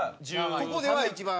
ここでは一番。